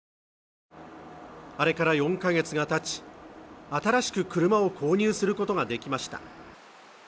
あれから４ヶ月が経ち新しく車を購入することができました